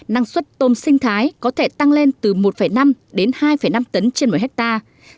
năng suất tôm sinh thái có thể tăng lên từ một năm đến hai năm tấn trên một hectare